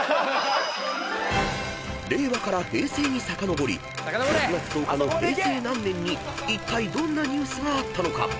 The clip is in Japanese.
［令和から平成にさかのぼり６月１０日の平成何年にいったいどんなニュースがあったのか？］